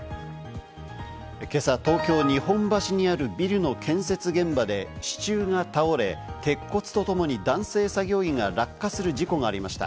今朝、東京・日本橋にあるビルの建設現場で支柱が倒れ、鉄骨とともに男性作業員が落下する事故がありました。